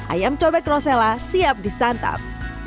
ayam cobek rosella siap disantap